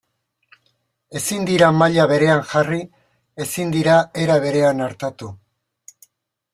Ezin dira maila berean jarri, ezin dira era berean artatu.